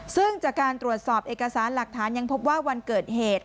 ซึ่งจากการตรวจสอบเอกสารหลักฐานยังพบว่าวันเกิดเหตุ